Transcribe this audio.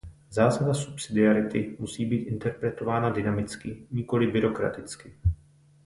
Zásada subsidiarity musí být interpretována dynamicky, nikoli byrokraticky.